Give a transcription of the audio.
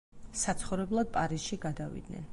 საცხოვრებლად პარიზში გადავიდნენ.